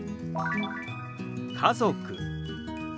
「家族」。